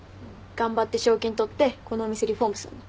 頑張って賞金取ってこのお店リフォームするの。